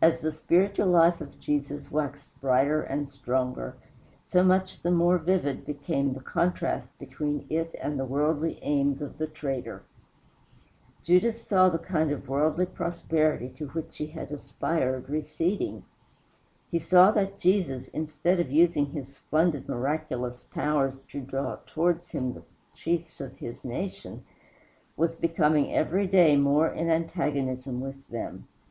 As the spiritual life of Jesus waxed brighter and stronger, so much the more vivid became the contrast between it and the worldly aims of the traitor. Judas saw the kind of worldly prosperity to which he had aspired receding. He saw that Jesus, instead of using his splendid miraculous powers to draw towards him the chiefs of his nation, was becoming every day more in antagonism with them.